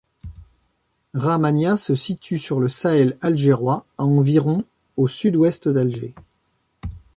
Rahmania se situe sur le Sahel algérois, à environ au sud-ouest d'Alger.